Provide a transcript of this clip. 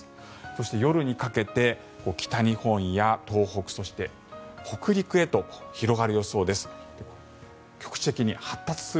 そして、夜にかけて北日本や東北、そして北陸へと広がる予想です。